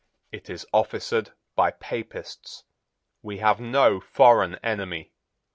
It is officered by Papists. We have no foreign enemy.